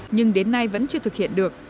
nhưng đến nay vẫn chưa thực hiện được